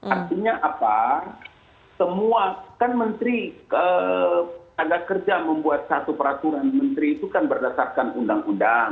artinya apa semua kan menteri tenaga kerja membuat satu peraturan menteri itu kan berdasarkan undang undang